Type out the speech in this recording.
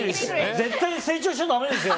絶対に成長しちゃだめですよ！